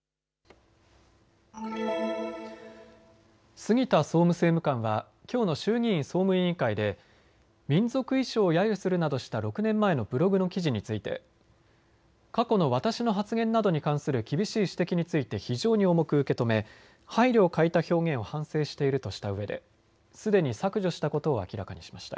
杉田総務政務官はきょうの衆議院総務委員会で民族衣装をやゆするなどした６年前のブログの記事について過去の私の発言などに関する厳しい指摘について非常に重く受け止め配慮を欠いた表現を反省しているとしたうえですでに削除したことを明らかにしました。